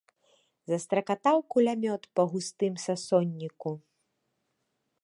Застракатаў кулямёт па густым сасонніку.